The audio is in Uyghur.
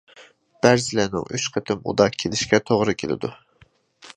بەزىلەرنىڭ ئۈچ قېتىم ئۇدا كېلىشىگە توغرا كېلىدۇ.